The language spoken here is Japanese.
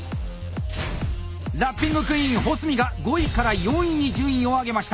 ラッピングクイーン・保住が５位から４位に順位を上げました。